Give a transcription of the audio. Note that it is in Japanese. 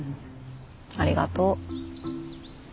ありがとう。